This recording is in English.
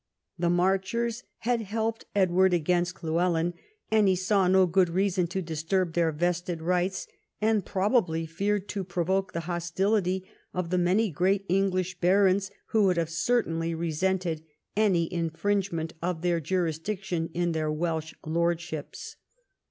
The Marchers had helped Edward against Llywelyn, and he saw no good reason to disturb their vested rights, and probably feared to provoke the hostility of the many great English barons who would have certainly resented any infringement of their jurisdic tion in their Welsh lordships.